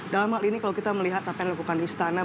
dalam hal ini kalau kita melihat tapen lakukan istana